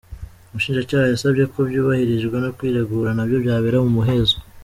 Umushinjacyaha yasabye ko byubahirijwe no kwiregura nabyo byabera mu muhezo.